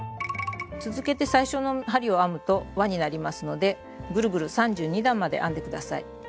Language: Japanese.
続けて最初の針を編むと輪になりますのでぐるぐる３２段まで編んで下さい。